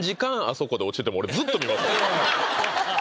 そこで落ちてても俺ずっと見ますよ